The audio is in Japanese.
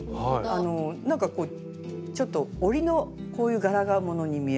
ちょっと織りのこういう柄物に見える。